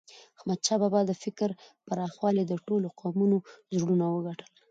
احمدشاه بابا د فکر پراخوالي د ټولو قومونو زړونه وګټل.